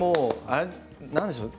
何でしょう